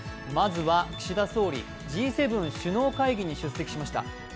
まずは岸田総理、Ｇ７首脳会議に出席しました。